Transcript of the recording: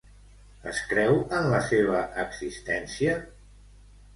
Es creu en la seva existència?